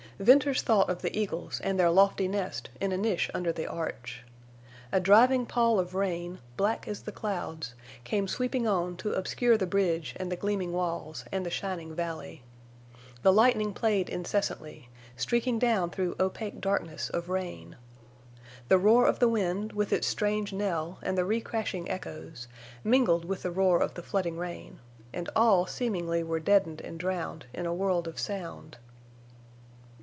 Venters thought of the eagles and their lofty nest in a niche under the arch. A driving pall of rain, black as the clouds, came sweeping on to obscure the bridge and the gleaming walls and the shining valley. The lightning played incessantly, streaking down through opaque darkness of rain. The roar of the wind, with its strange knell and the re crashing echoes, mingled with the roar of the flooding rain, and all seemingly were deadened and drowned in a world of sound.